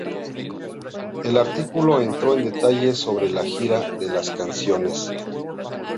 El artículo entró en detalles sobre la gira de las canciones.